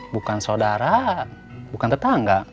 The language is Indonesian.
bukan saudara bukan tetangga